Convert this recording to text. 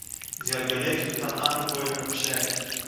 זי האָט געלעבט מיט אַן איינגעבוירענעם שרעק